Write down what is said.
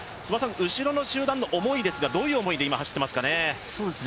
後ろの集団の思いですが、どういう思いで今、走っていますかね？